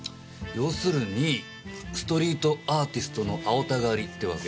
要するにストリートアーティストの青田刈りってわけ？